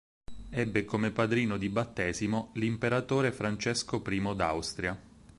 Ebbe come padrino di battesimo l'imperatore Francesco I d'Austria.